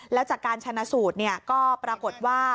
แล้วจากการชนะสูตรก็ปรากฏว่า